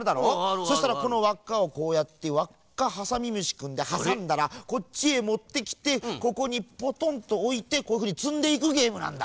そしたらこのわっかをこうやってわっかハサミむしくんではさんだらこっちへもってきてここにポトンとおいてこういうふうにつんでいくゲームなんだ。